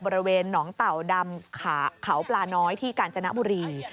บริเวณหนองเต่าดำเขาปลาน้อยที่กาญจนบุรี